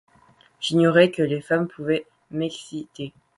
J’ignorais que les femmes pouvaient m’exciter.